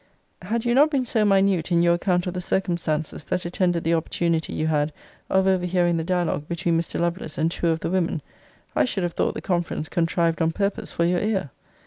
Had you not been so minute in your account of the circumstances that attended the opportunity you had of overhearing the dialogue between Mr. Lovelace and two of the women, I should have thought the conference contrived on purpose for your ear.